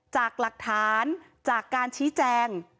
จากหลักฐานจากการชี้แจง